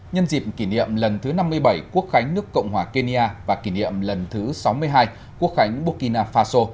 nhân dịp kỷ niệm lần thứ năm mươi bảy quốc khánh nước cộng hòa kenya và kỷ niệm lần thứ sáu mươi hai quốc khánh burkina faso